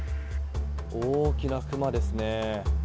大きなクマですね。